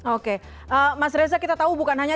oke mas reza kita tahu bukan hanya